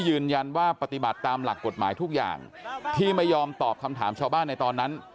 ยืนยันว่าปฏิบัติตามหลักกฎหมายทุกอย่างที่ไม่ยอมตอบคำถามชาวบ้านในตอนนั้น